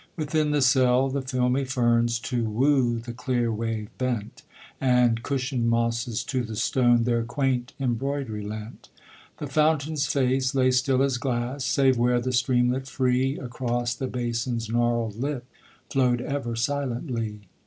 Within the cell the filmy ferns To woo the clear wave bent; And cushioned mosses to the stone Their quaint embroidery lent. The fountain's face lay still as glass Save where the streamlet free Across the basin's gnarled lip Flowed ever silently.